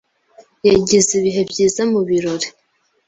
yagize ibihe byiza mubirori.